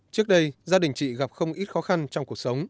trước đây gia đình chị gặp không ít khó khăn trong cuộc sống